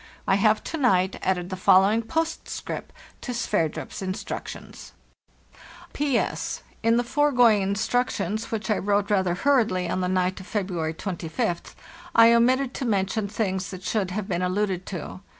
I have to night added the following postscript to Sverdrup's instructions: "«P.S—In the foregoing instructions, which I wrote rather hurriedly on the night of February 25th, I omitted to mention things that should have been alluded to.